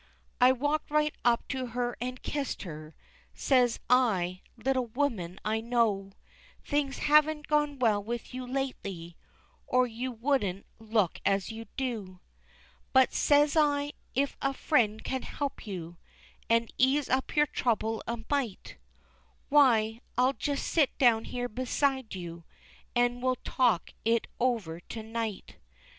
I walked right up to her and kissed her, Says I, little woman I know Things haven't gone well with you lately, Or you wouldn't look as you do. But, says I, if a friend can help you, And ease up your trouble a mite, Why, I'll just sit down here beside you, An' we'll talk it over to night.